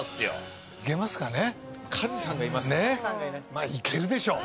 まあいけるでしょう。